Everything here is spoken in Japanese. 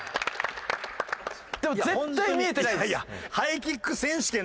でも絶対見えてないです。